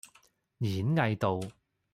演藝道